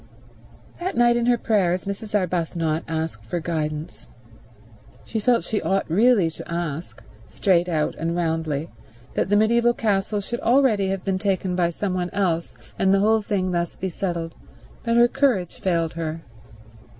That night in her prayers Mrs. Arbuthnot asked for guidance. She felt she ought really to ask, straight out and roundly, that the mediaeval castle should already have been taken by some one else and the whole thing thus be settled, but her courage failed her.